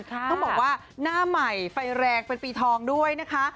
ต้องบอกว่าหน้าใหม่ไฟแรงเป็นปีทองด้วยนะคะ